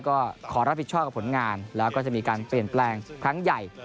ก็ขอรับผิดชอบกับผลงานแล้วก็จะมีการเปลี่ยนแปลงครั้งใหญ่